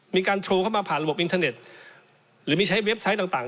มีการโทรเข้ามาผ่านระบบอินเทอร์เน็ตหรือมีใช้เว็บไซต์ต่าง